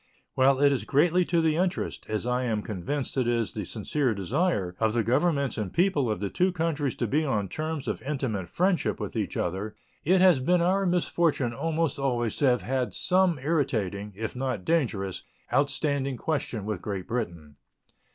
Whilst it is greatly to the interest, as I am convinced it is the sincere desire, of the Governments and people of the two countries to be on terms of intimate friendship with each other, it has been our misfortune almost always to have had some irritating, if not dangerous, outstanding question with Great Britain.